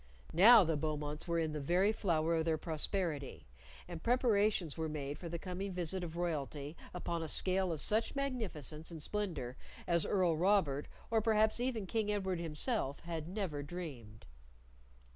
Now the Beaumonts were in the very flower of their prosperity, and preparations were made for the coming visit of royalty upon a scale of such magnificence and splendor as Earl Robert, or perhaps even King Edward himself, had never dreamed.